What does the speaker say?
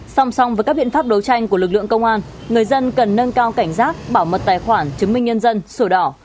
song song với các biện pháp đấu tranh của lực lượng công an người dân cần nâng cao cảnh giác bảo mật tài khoản chứng minh nhân dân sổ đỏ